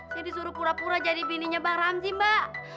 saya disuruh pura pura jadi bininya bang ramji mbak